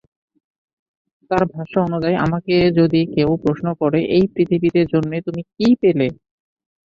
তার ভাষ্য অনুযায়ী, ’আমাকে যদি কেউ প্রশ্ন করে এই পৃথিবীতে জন্মে তুমি কী পেলে?